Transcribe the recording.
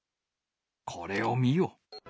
これを見よ。